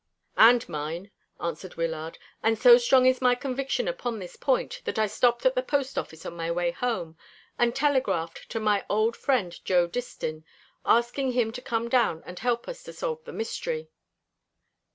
"And mine," answered Wyllard; "and so strong is my conviction upon this point that I stopped at the post office on my way home, and telegraphed to my old friend Joe Distin, asking him to come down and help us to solve the mystery."